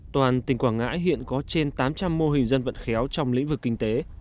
toàn tỉnh quảng ngãi hiện có trên tám trăm linh mô hình dân vận khéo trong lĩnh vực kinh tế